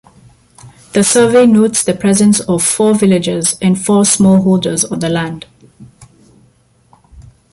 The survey notes the presence of four villagers and four smallholders on the land.